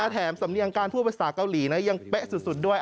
สำเนียงการพูดภาษาเกาหลีนะยังเป๊ะสุดด้วย